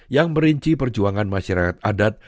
yang merinci perjuangan masyarakat adat